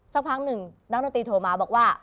สักพักหนึ่งนักดนตรีโทรมาบอกว่า